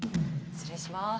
失礼します。